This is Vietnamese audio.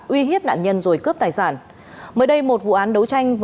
uy hiếp nạn nhân rồi cướp tài sản